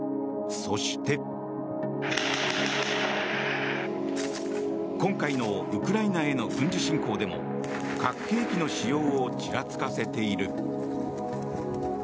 そして、今回のウクライナへの軍事侵攻でも核兵器の使用をちらつかせている。